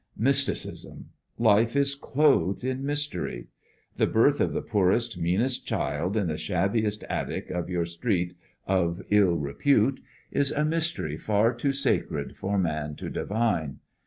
"Mysticism," life is clothed in mystery! The birth of the poorest, meanest child, in the shabbiest attic of your street of ill repute, is a mystery far too sacred for man to divine.